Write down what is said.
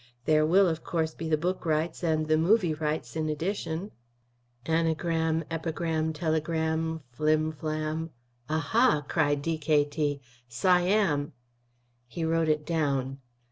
There will, of course, be the book rights and the movie rights in addition." "Anagram, epigram, telegram, flimflam aha!" cried D.K.T. "Siam!" He wrote it down.